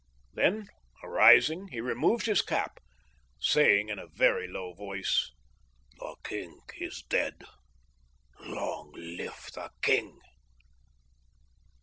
Then, arising, he removed his cap, saying in a very low voice: "The king is dead. Long live the king!"